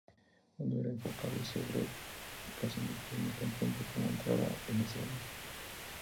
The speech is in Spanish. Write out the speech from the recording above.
Uno era enfocado sobre el caza nocturno tan pronto como entrara en la celda.